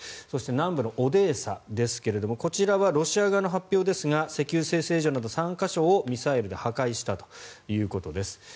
そして、南部のオデーサですがこちらはロシア側の発表ですが石油精製所など３か所をミサイルで破壊したということです。